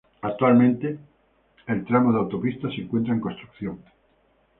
Actualmente la el tramo de autopista se encuentra en construcción.